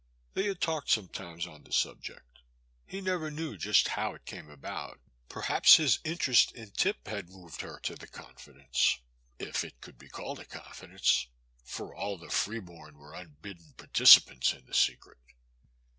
They had talked sometimes on the subject — ^he never knew just how it came about. Perhaps his interest in Tip had moved her to the confidence, if it could be called a confidence, for all the free bom were unbidden participants in the secret.